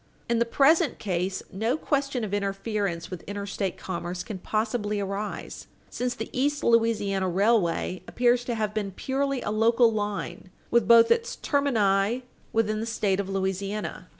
In the present case, no question of interference with interstate commerce can possibly arise, since the East Louisiana Railway appears to have been purely a local line, with both its termini within the State of Louisiana.